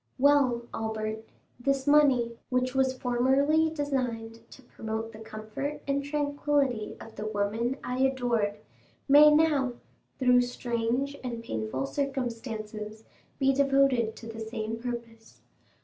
Well, Albert, this money, which was formerly designed to promote the comfort and tranquillity of the woman I adored, may now, through strange and painful circumstances, be devoted to the same purpose.